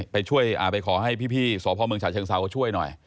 ไปขอให้พี่สภบมชเชิงเซาะช่วยหน่อย